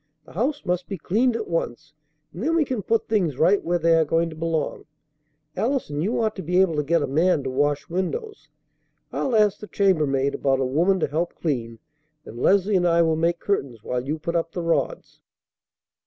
The house must be cleaned at once, and then we can put things right where they are going to belong. Allison, you ought to be able to get a man to wash windows. I'll ask the chambermaid about a woman to help clean, and Leslie and I will make curtains while you put up the rods."